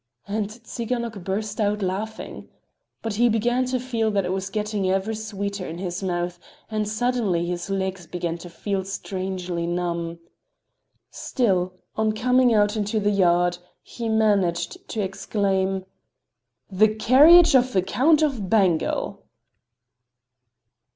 And Tsiganok burst out laughing. But he began to feel that it was getting ever sweeter in his mouth, and suddenly his legs began to feel strangely numb. Still, on coming out into the yard, he managed to exclaim: "The carriage of the Count of Bengal!"